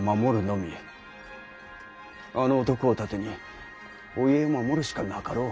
あの男を盾にお家を守るしかなかろう。